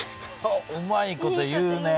うまい事言うね。